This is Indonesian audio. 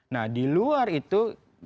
nah di luar itu